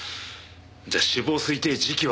じゃあ死亡推定時期は？